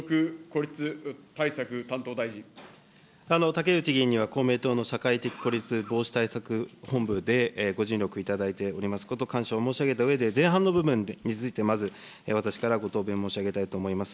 竹内議員には、公明党の社会的孤立防止対策本部でご尽力いただいておりますこと感謝を申し上げたうえで、前半の部分について、まず私からご答弁を申し上げたいと思います。